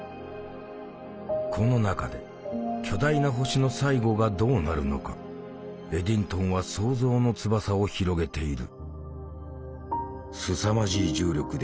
この中で巨大な星の最後がどうなるのかエディントンは想像の翼を広げている。